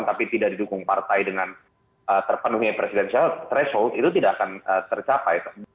tapi tidak didukung partai dengan terpenuhi presidential threshold itu tidak akan tercapai